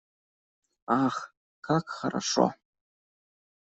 Ах, как хорошо!